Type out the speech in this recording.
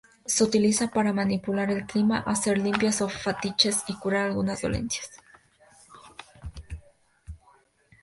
Se utiliza para manipular el clima, hacer limpias, o fetiches, y curar algunas dolencias.